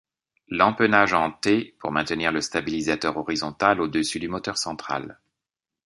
L’empennage en T pour maintenir le stabilisateur horizontal au-dessus du moteur central.